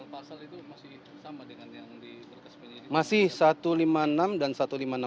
pak soal pasal itu masih sama dengan yang di berkes penyidik